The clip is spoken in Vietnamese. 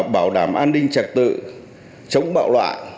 bảo đảm an ninh trạc tự chống bạo loạn